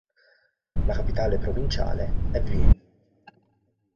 La capitale provinciale è Vinh.